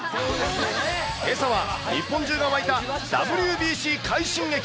けさは日本中が沸いたＷＢＣ快進撃。